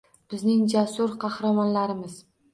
Bizning jasur qahramonlarimiz